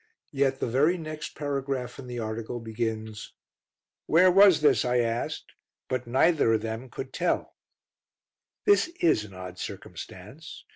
Yet the very next paragraph in the article begins: "'Where was this ?' I asked. But neither of them could tell" This is an odd circumstance.